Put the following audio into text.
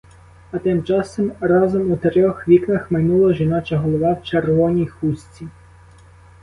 А тим часом разом у трьох вікнах майнула жіноча голова в червоній хустці.